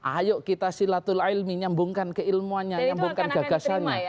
ayo kita silatul ailmi nyambungkan keilmuannya nyambungkan gagasannya